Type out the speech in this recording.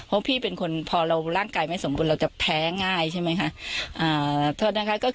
เพราะพี่เป็นคนพอเราร่างกายไม่สมบูรณ์เราจะแพ้ง่ายใช่ไหมคะ